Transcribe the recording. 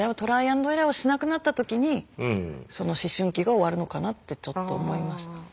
・アンド・エラーをしなくなった時にその思春期が終わるのかなってちょっと思いました。